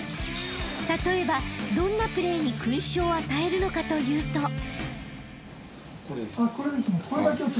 ［例えばどんなプレーに勲章を与えるのかというと］